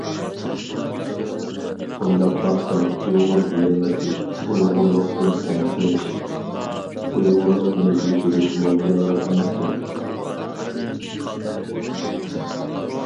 ئويلاپ باقسام ئۇيغۇر دېيەلمەسلىك، ئۇيغۇرلۇقتىن كەمسىنىش، ئۇيغۇرلۇقنى يوشۇرۇشمۇ يېڭىلىق ئەمەسكەن.